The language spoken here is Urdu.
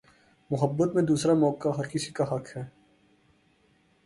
محبت میں دوسرا موقع ہر کسی کا حق ہے